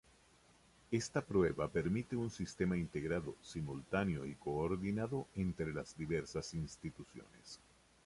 Esta prueba permite un sistema integrado, simultáneo y coordinado entre las diversas instituciones.